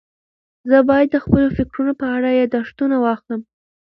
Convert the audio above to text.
زه باید د خپلو فکرونو په اړه یاداښتونه واخلم.